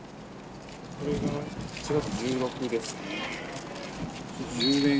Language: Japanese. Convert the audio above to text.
これが８月１６ですね。